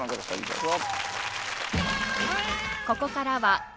どうぞ。